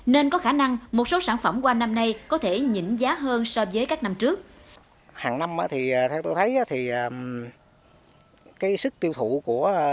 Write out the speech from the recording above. nên có khả năng một số sản phẩm qua năm nay có thể nhỉnh giá hơn so với các năm trước